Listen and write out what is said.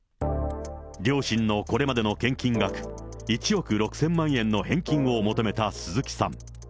両親のこれまでの献金額、１億６０００万円の返金を求めた鈴木さん。